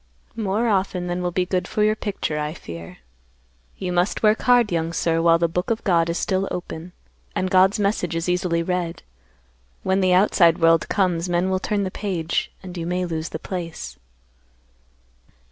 "More often than will be good for your picture, I fear. You must work hard, young sir, while the book of God is still open, and God's message is easily read. When the outside world comes, men will turn the page, and you may lose the place."